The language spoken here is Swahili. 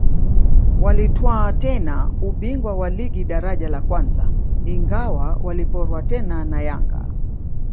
Walitwaa tena ubingwa wa ligi daraja la kwanza ingawa waliporwa tena na Yanga